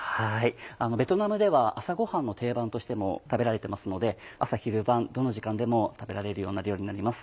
ベトナムでは朝ごはんの定番としても食べられてますので朝昼晩どの時間でも食べられるような料理になります。